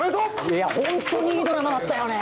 いやホントにいいドラマだったよね。